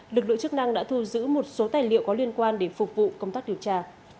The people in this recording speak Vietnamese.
lực lượng chức năng đã thu giữ một số tài liệu có liên quan để phục vụ công tác điều tra